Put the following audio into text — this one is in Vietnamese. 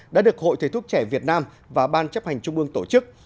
đã được hội thầy thuốc trẻ việt nam và ban chấp hành trung ương tổ chức